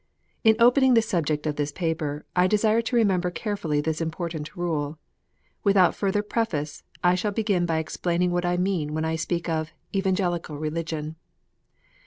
In opening the subject of this paper, I desire to remember carefully this important rule. "Without further preface, I shall begin by explaining what I mean when I speak of " Evangelical Religion."